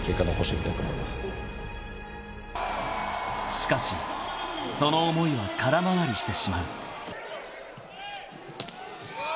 ［しかしその思いは空回りしてしまう］